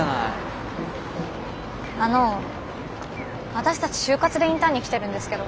あの私たち就活でインターンに来てるんですけど。